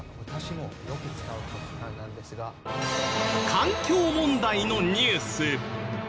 環境問題のニュース。